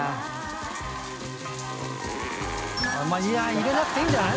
入れなくていいんじゃない？